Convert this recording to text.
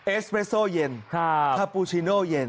เอสเรสโซเย็นคาปูชิโน่เย็น